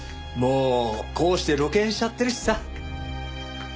もうこうして露見しちゃってるしさ。